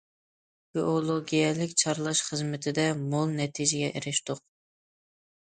گېئولوگىيەلىك چارلاش خىزمىتىدە مول نەتىجىگە ئېرىشتۇق.